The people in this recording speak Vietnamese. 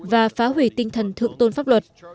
và phá hủy tinh thần thượng tôn pháp luật